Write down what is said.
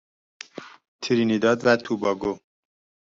ترینیداد و توباگو